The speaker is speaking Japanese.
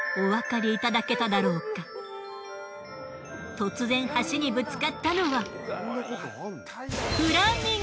突然橋にぶつかったのは。